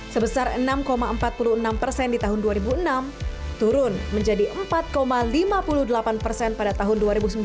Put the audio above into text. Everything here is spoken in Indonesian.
sebesar enam empat puluh enam persen di tahun dua ribu enam turun menjadi empat lima puluh delapan persen pada tahun dua ribu sembilan belas